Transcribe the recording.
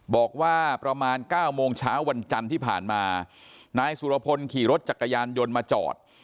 บอกว่าประมาณ๙โมงเช้าวันจันทร์ที่ผ่านมานายสุรพลขี่รถจักรยานยนต์มาจอด